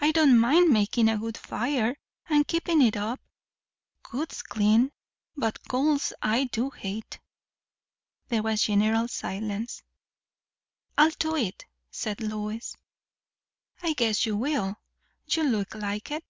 "I don't mind makin' a wood fire, and keepin' it up; wood's clean; but coals I do hate." There was general silence. "I'll do it," said Lois. "I guess you will! You look like it."